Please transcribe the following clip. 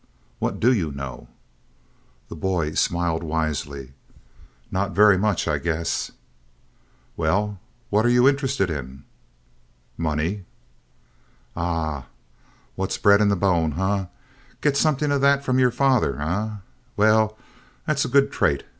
"What do you know?" The boy smiled wisely. "Not very much, I guess." "Well, what are you interested in?" "Money!" "Aha! What's bred in the bone, eh? Get something of that from your father, eh? Well, that's a good trait.